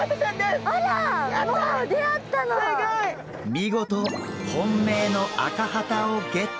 見事本命のアカハタをゲット。